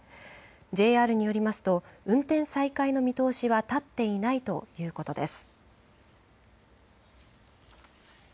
ＪＲによりますと運転再開の見通しは立っていないということです。